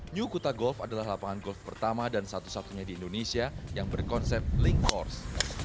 new kuta golf adalah lapangan golf pertama dan satu satunya di indonesia yang berkonsep link course